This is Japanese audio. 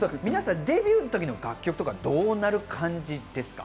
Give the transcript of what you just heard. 皆さんデビューの時の楽曲はどうなる感じですか？